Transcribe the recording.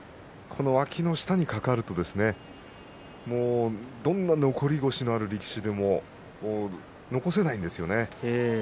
この、わきの下にかかるとどんな残り腰のある力士でも残せないんですよね。